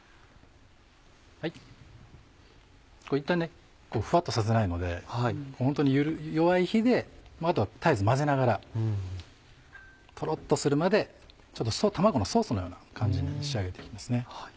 いったんふわっとさせたいのでホントに弱い火であとは絶えず混ぜながらとろっとするまで卵のソースのような感じに仕上げて行きますね。